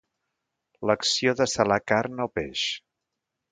L'acció de salar carn o peix.